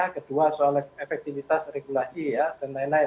kedua soal efektivitas regulasi dan lain lain